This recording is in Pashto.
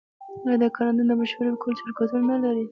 آیا کاناډا د مشورې ورکولو شرکتونه نلري؟